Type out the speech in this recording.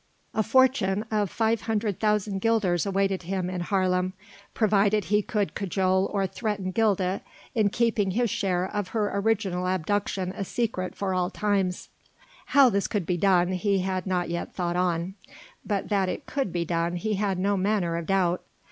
A fortune of 500,000 guilders awaited him in Haarlem, provided he could cajole or threaten Gilda in keeping his share of her original abduction a secret for all times. How this could be done he had not yet thought on; but that it could be done he had no manner of doubt.